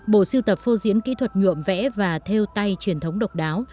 bộ siêu tập phô diễn kỹ thuật nhuộm vẽ và theo tay truyền thống độc đáo